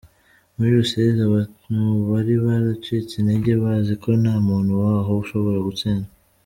Muri Rusizi abantu bari baracitse intege bazi ko nta muntu waho ushobora gutsinda.